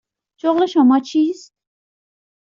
شغل شما چیست؟